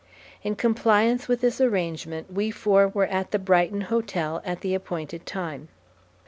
In compliance with this arrangement we four were at the Brighton hotel at the appointed time.